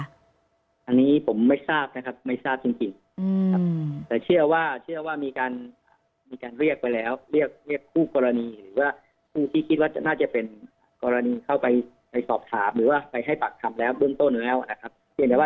อันนี้ผมไม่ทราบนะครับไม่ทราบจริงครับแต่เชื่อว่าเชื่อว่ามีการเรียกไปแล้วเรียกเรียกคู่กรณีหรือว่าผู้ที่คิดว่าน่าจะเป็นกรณีเข้าไปไปสอบถามหรือว่าไปให้ปากคำแล้วเบื้องต้นแล้วนะครับเพียงแต่ว่า